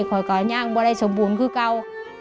ก็ก็ย่างบร้ายสมบูรณ์คือเก่า